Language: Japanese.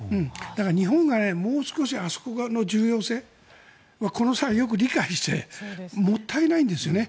日本がもう少しあそこの重要性をこの際、もっと理解してもったいないんですよね。